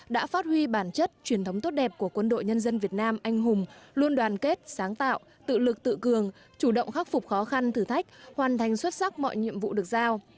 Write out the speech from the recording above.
đã phát huy bản chất truyền thống tốt đẹp của quân đội nhân dân việt nam anh hùng luôn đoàn kết sáng tạo tự lực tự cường chủ động khắc phục khó khăn thử thách hoàn thành xuất sắc mọi nhiệm vụ được giao